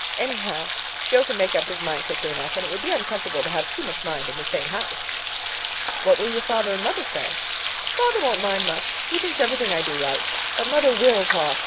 Anyhow, Jo can make up his mind quickly enough, and it would be uncomfortable to have too much mind in the same house." "What will your father and mother say?" "Father won't say much. He thinks everything I do right. But mother will talk.